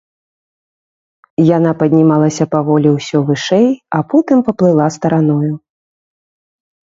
Яна паднімалася паволі ўсё вышэй, а потым паплыла стараною.